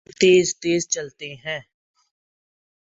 اور تیر تیز چلنے ہیں۔